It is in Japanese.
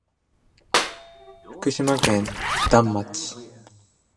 福島県塙町